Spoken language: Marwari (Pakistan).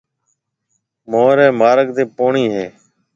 مهوريَ مارگ تي پوڻِي هيَ۔